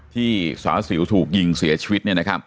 ที่สาวสิวถูกยิงเสียชีวิต